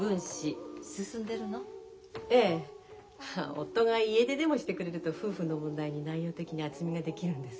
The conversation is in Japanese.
夫が家出でもしてくれると夫婦の問題に内容的に厚みが出来るんですけど。